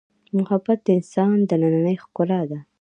محبت د انسان دنننۍ ښکلا ده.